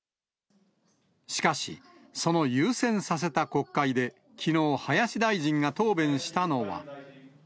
しかし、その優先させた国会で、きのう、林大臣が答弁したのは。